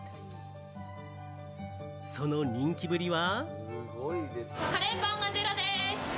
その人気ぶりは。